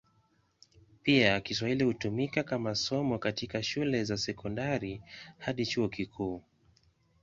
Pia Kiswahili hutumika kama somo katika shule za sekondari hadi chuo kikuu.